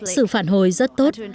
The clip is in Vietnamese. sự phản hồi rất tốt